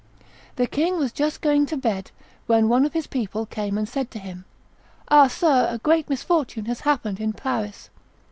The king was just going to bed, when one of his people came and said to him, "Ah! sir, a great misfortune has happened in Paris."